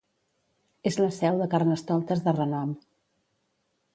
És la seu de carnestoltes de renom.